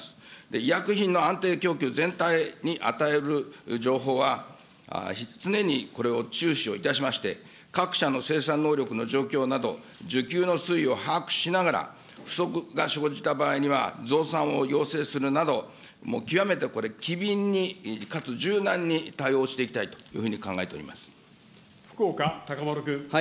医薬品の安定供給全体に与える情報は、常にこれを注視をいたしまして、各社の生産能力の状況など、需給の推移を把握しながら、不足が生じた場合には増産を要請するなど、極めてこれ、機敏にかつ柔軟に対応していきたいというふう福岡資麿君。